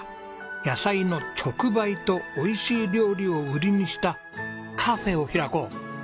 野菜の直売と美味しい料理を売りにしたカフェを開こう！